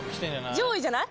上位じゃない？